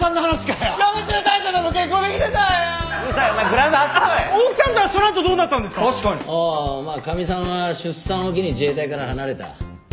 かみさんは出産を機に自衛隊から離れた。